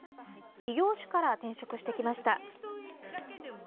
異業種から転職してきました。